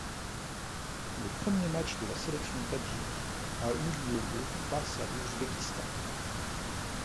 Le premier match de la sélection tadjik a eu lieu le face à l'Ouzbékistan.